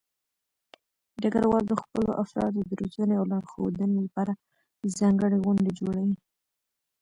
ډګروال د خپلو افرادو د روزنې او لارښودنې لپاره ځانګړې غونډې جوړوي.